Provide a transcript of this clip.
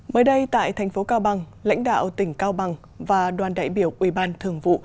mới đây tại thành phố cao bằng lãnh đạo tỉnh cao bằng và đoàn đại biểu ủy ban thường vụ